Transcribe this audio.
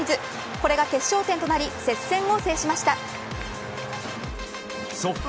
これが決勝点となり接戦を制しました。